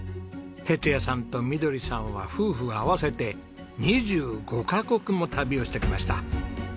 哲也さんとみどりさんは夫婦合わせて２５カ国も旅をしてきました。